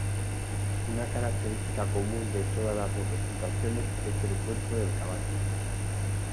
Una característica común de todas las representaciones es el cuerpo del caballo.